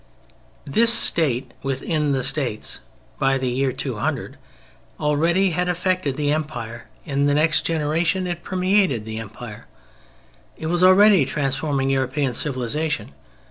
This "State within the States" by the year 200 already had affected the Empire: in the next generation it permeated the Empire; it was already transforming European civilization.